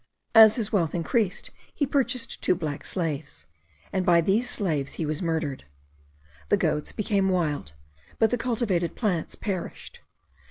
As his wealth increased, he purchased two black slaves; and by these slaves he was murdered. The goats became wild, but the cultivated plants perished.